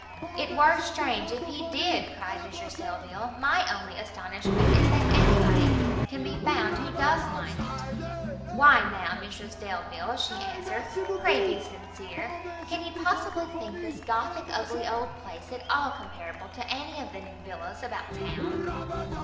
"It were strange if he did!" cried Mrs Delvile; "my only astonishment is that anybody can be found who does mind it." "Why now, Mrs Delvile," she answered, "pray be sincere; can you possibly think this Gothic ugly old place at all comparable to any of the new villas about town?"